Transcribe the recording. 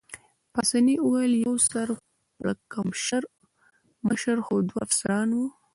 پاسیني وویل: یوه سر پړکمشر مشر خو دوه افسران وو.